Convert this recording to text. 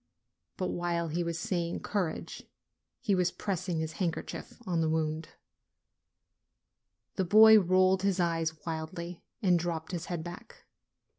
But while he was saying 52 NOVEMBER "courage," he was pressing his handkerchief on the wound. The boy rolled his eyes wildly and dropped his head back.